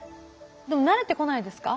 でも慣れてこないですか？